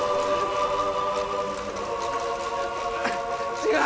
違う！